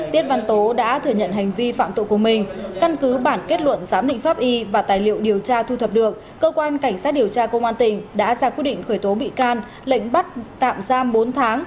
tiết văn tố đã thừa nhận hành vi phạm tội của mình căn cứ bản kết luận giám định pháp y và tài liệu điều tra thu thập được cơ quan cảnh sát điều tra công an tỉnh đã ra quyết định khởi tố bị can lệnh bắt tạm giam bốn tháng